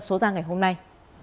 số ra ngày hôm nay